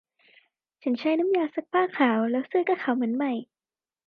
ฉันใช้น้ำยาซักผ้าขาว แล้วเสื้อก็ขาวเหมือนใหม่